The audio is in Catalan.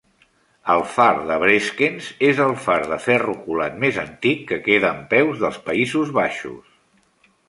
El far de Breskens és el far de ferro colat més antic que queda en peus dels Països Baixos.